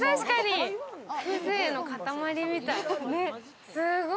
風情の塊みたい。